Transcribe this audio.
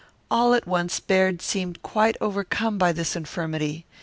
All at once Baird seemed quite overcome by this infirmity.